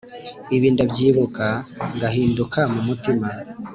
Ibi ndabyibuka ngahinduka mumutima